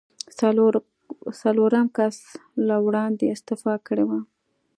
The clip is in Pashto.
څلورم کس له وړاندې استعفا کړې وه.